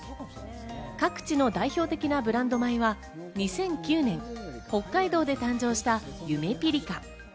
各地の代表的なブランド米は２００９年、北海道で誕生したゆめぴりか。